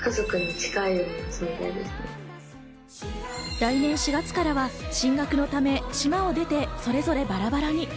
来年４月からは進学のため島を出て、それぞれバラバラに。